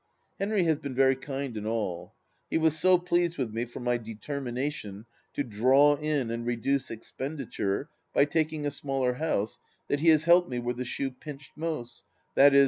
Henry has been very kind and all 1 He was so pleased with me for my determination to draw in and reduce ex penditure by taking a smaller house that he has helped me where the shoe pinched most — i.e.